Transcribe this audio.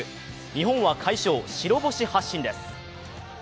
日本は快勝、白星発進です。